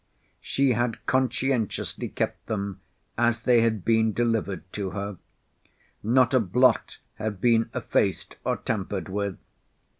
She had conscientiously kept them as they had been delivered to her; not a blot had been effaced or tampered with.